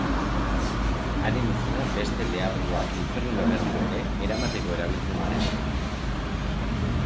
Haren izena beste deabruak infernura berriro ere eramateko erabiltzen zen.